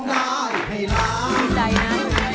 ดีใจนะ